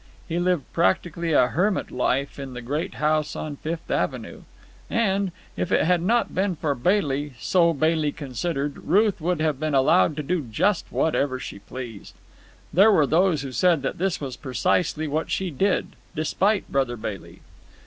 He lived practically a hermit life in the great house on Fifth Avenue; and, if it had not been for Bailey, so Bailey considered, Ruth would have been allowed to do just whatever she pleased. There were those who said that this was precisely what she did, despite Brother Bailey.